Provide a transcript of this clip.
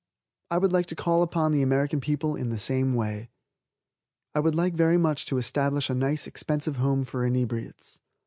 I would like to call upon the American people in the same way. I would like very much to establish a nice, expensive home for inebriates.